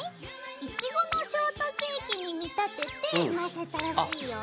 イチゴのショートケーキに見立ててのせたらしいよ。